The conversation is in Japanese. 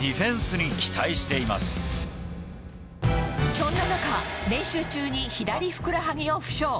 そんな中、練習中に左ふくらはぎを負傷。